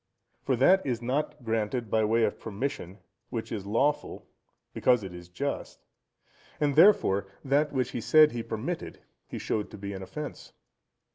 For that is not granted by way of permission which is lawful, because it is just; and, therefore, that which he said he permitted, he showed to be an offence.